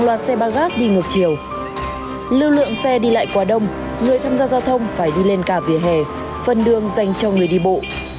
lưu lượng xe đi lại quá đông người tham gia giao thông phải đi lên cả vỉa hè phần đường dành cho người đi bộ